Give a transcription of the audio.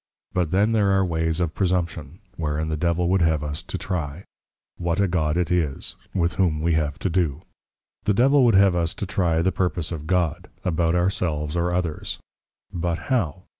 _ But then there are ways of Presumption, wherein the Devil would have us to trie, what a God it is, With whom we have to do. The Devil would have us to trie the Purpose of God, about our selves or others; but how?